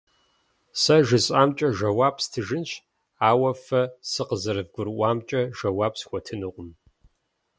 Сэ жысӏамкӏэ жэуап стыжынщ, ауэ фэ сыкъызэрывгурыӏуамкӏэ жэуап схуэтынукъым.